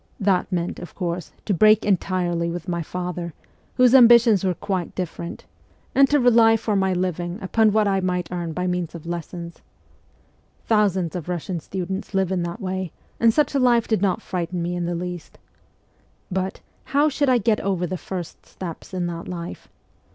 That meant, of course, to break entirely with my father, whose ambitions were quite different, and to rely for my 182 MEMOIRS OF A REVOLUTIONIST living upon what I might earn by means of lessons. Thousands of Russian students live in that way, and such a life did not frighten me in the least. But how should I get over the first steps in that life